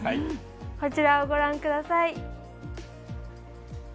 こちらをご覧ください。